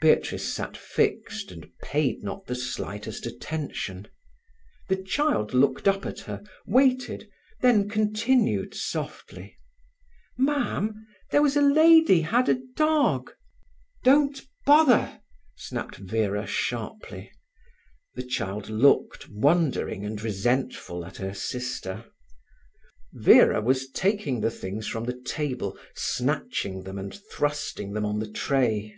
Beatrice sat fixed, and paid not the slightest attention. The child looked up at her, waited, then continued softly. "Mam, there was a lady had a dog—" "Don't bother!" snapped Vera sharply. The child looked, wondering and resentful, at her sister. Vera was taking the things from the table, snatching them, and thrusting them on the tray.